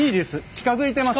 近づいてます。